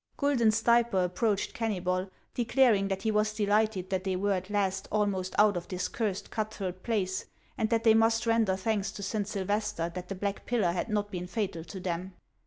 Guidon Stayper approached Kennybol, declaring that he was delighted that they were at last almost out of this cursed cut throat place, and that they must render thanks to Saint Sylvester that the Black Pillar had not been fatal to them.